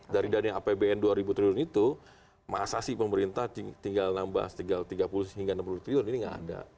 dari dana apbn dua ribu triliun itu masa sih pemerintah tinggal nambah tiga puluh hingga enam puluh triliun ini nggak ada